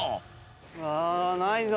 うわーないぞ。